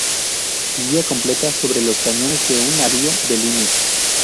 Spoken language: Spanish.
Guía completa sobre los cañones de un navío de línea.